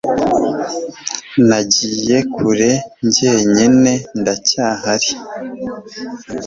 Nagiye kure njyenyine ndacyahari